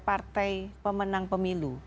partai pemenang pemilu